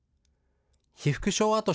被服廠跡